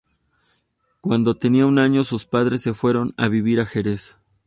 Cuando tenía un año sus padres se fueron a vivir a Jerez.